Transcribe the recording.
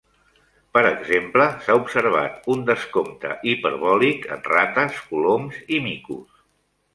Per exemple, s'ha observat un descompte hiperbòlic en rates, coloms i micos.